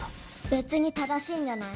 別に正しいんじゃない？